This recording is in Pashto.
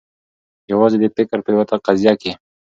یوازي د فکر په یوه قضیه کي